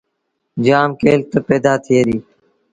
جآم ڪيٚلت پيدآ ٿئي ديٚ۔